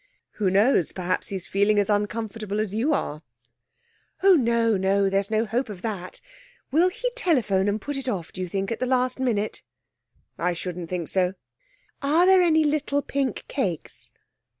'Who knows, perhaps he's feeling as uncomfortable as you are?' 'Oh, no, no! There's no hope of that.... Will he telephone and put it off, do you think, at the last minute?' 'I shouldn't think so.' 'Are there any little pink cakes?'